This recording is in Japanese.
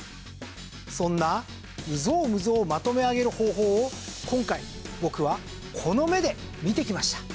そんな有象無象をまとめ上げる方法を今回僕はこの目で見てきました。